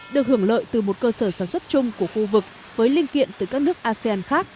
được hưởng lợi từ một cơ sở sản xuất chung của khu vực với linh kiện từ các nước asean khác